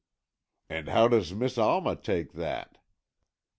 "And how does Miss Alma take that?"